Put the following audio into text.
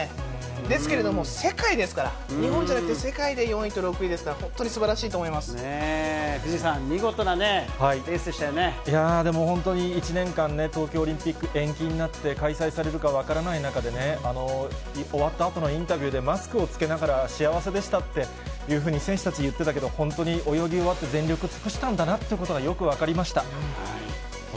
ですけれども、世界ですから、日本じゃなくて世界で４位と６位ですから、本当に藤井さん、見事なレースでしいやー、でも本当に１年間、東京オリンピック延期になって、開催されるか分からない中でね、終わったあとのインタビューで、マスクを着けながら、幸せでしたっていうふうに選手たち言ってたけど、本当に泳ぎ終わって、全力尽くしたんだなということがよく分かりました。